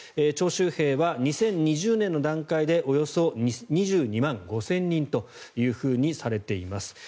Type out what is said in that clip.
徴集兵は２０２０年の段階でおよそ２２万５０００人というふうにされています。